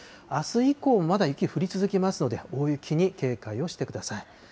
あす以降もまだ、雪、降り続きますので、大雪に警戒をしてください。